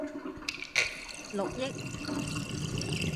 六億